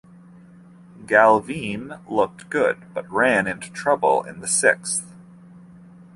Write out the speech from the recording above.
Glavine looked good but ran into trouble in the sixth.